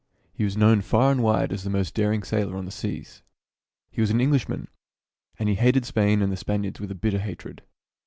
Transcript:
He was known far and wide as the most daring sailor on the seas. He was an Englishman, and he hated Spain and the Spaniards with a bitter hatred.